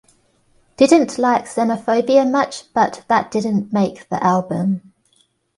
Didn't like Xenophobia much but that didn't make the album.